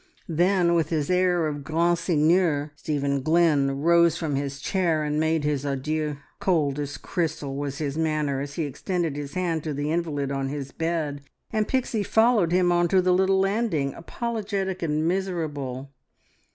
Then, with his air of grand seigneur, Stephen Glynn rose from his chair and made his adieux. Cold as crystal was his manner as he extended his hand to the invalid on his bed, and Pixie followed him on to the little landing, apologetic and miserable.